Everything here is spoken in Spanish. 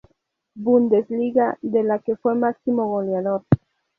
Bundesliga, de la que fue máximo goleador.